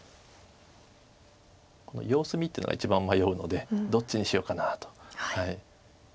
この様子見っていうのが一番迷うのでどっちにしようかなと。